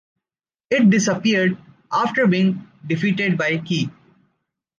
It disappeared after being defeated by Qi.